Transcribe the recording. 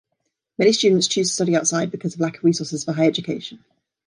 Many students choose to study outside because of lack of resources for high education.